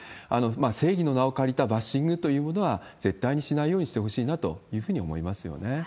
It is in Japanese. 正義の名を借りたバッシングというものは、絶対にしないようにしてほしいなというふうに思いますよね。